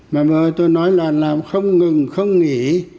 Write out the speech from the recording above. mà mọi người tôi nói là làm không ngừng không nghỉ